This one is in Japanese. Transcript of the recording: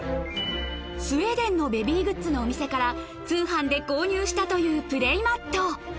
スウェーデンのベビーグッズのお店から通販で購入したというプレイマット